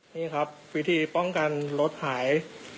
นี่ครับวิธีป้องกันรถหาย